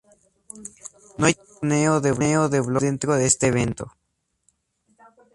No hay torneo de dobles dentro de este evento.